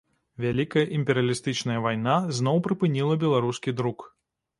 Вялікая імперыялістычная вайна зноў прыпыніла беларускі друк.